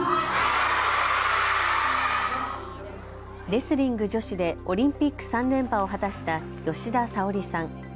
レスリング女子でオリンピック３連覇を果たした吉田沙保里さん。